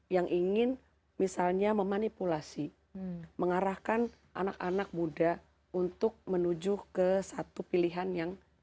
yang ingin misalnya memanipulasi mengarahkan anak anak muda untuk menuju ke satu pilihan yang